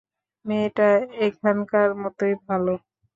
মেয়েটা এখানকার মতই ভালো।